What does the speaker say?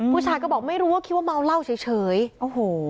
ผู้ชายก็บอกไม่รู้ว่าคิดว่าเมาเหล้าเฉยเฉยโอ้โห